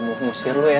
ya gue mau ngusir lo ya